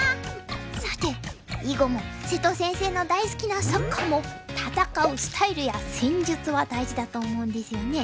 さて囲碁も瀬戸先生の大好きなサッカーも戦うスタイルや戦術は大事だと思うんですよね。